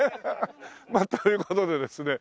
という事でですね